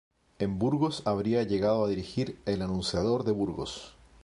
En Burgos habría llegado a dirigir "El Anunciador de Burgos".